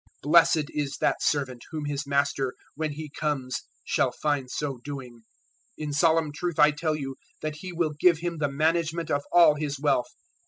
024:046 Blessed is that servant whom his master when he comes shall find so doing! 024:047 In solemn truth I tell you that he will give him the management of all his wealth.